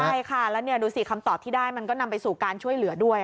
ใช่ค่ะแล้วดูสิคำตอบที่ได้มันก็นำไปสู่การช่วยเหลือด้วย